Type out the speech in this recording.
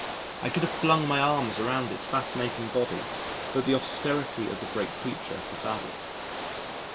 I could have flung my arms around its fascinating body but the austerity of the great creature forbad it.